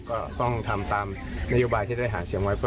ก็ต้องทำตามนโยบายที่ได้หาเสียงไว้